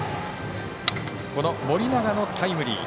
この盛永のタイムリー。